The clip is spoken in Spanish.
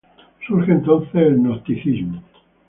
Surge entonces el gnosticismo.